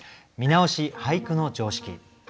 見直し「俳句の常識」。